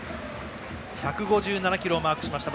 １５７キロをマークしました